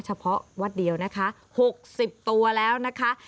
เฉพาะวัดเดียวนะคะ๖๐ตัวแล้วนะคะ